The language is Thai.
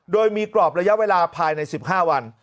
โดยมีกรอบระยะเวลาภายใน๑๕วัน